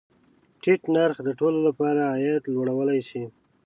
ټیټ نرخ د ټولو له پاره عاید لوړولی شي.